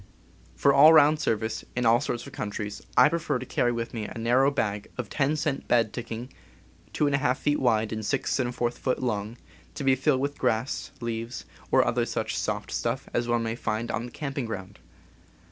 For all round service, in all sorts of countries, I pre fer to carry with me a narrow bag of 10 cent bed tick ing, 2^ feet wide and 6| feet long, to be filled with grass, leaves, or such other soft stuff as one may find on the camping ground.